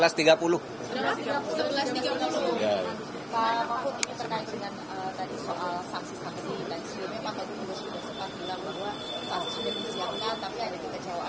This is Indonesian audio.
tapi ada dikejauhan karena ada saksi yang takut